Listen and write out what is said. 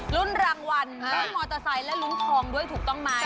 รุ้นรางวัลลุ้นมอเตอร์ไซค์และลุ้นทองด้วยถูกต้องไหม